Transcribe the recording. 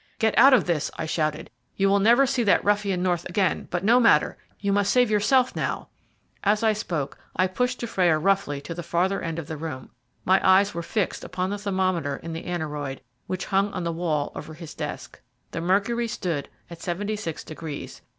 "Get out of this," I shouted. "You will never see that ruffian North again; but no matter, you must save yourself now." As I spoke, I pushed Dufrayer roughly to the farther end of the room. My eyes were fixed upon the thermometer in the aneroid, which hung on the wall over his desk. The mercury stood at seventy six degrees.